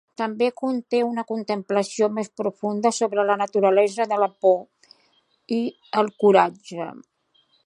També conté una contemplació més profunda sobre la naturalesa de la por i el coratge.